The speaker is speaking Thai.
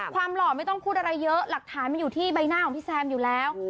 หล่อไม่ต้องพูดอะไรเยอะหลักฐานมันอยู่ที่ใบหน้าของพี่แซมอยู่แล้ว